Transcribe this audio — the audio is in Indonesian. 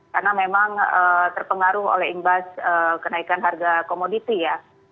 karena memang terpengaruh oleh imbas kenaikan harga komoditi ya